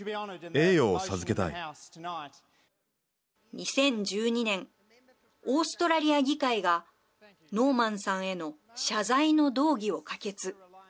２０１２年オーストラリア議会がノーマンさんへの謝罪の動議を可決。